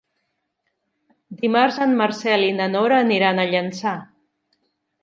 Dimarts en Marcel i na Nora aniran a Llançà.